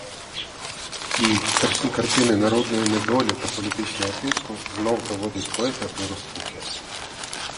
Ті страшні картини народної недолі та політичного тиску знов доводять поета до розпуки.